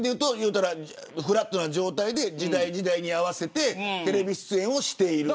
フラットな状態で時代時代に合わせてテレビ出演をしている。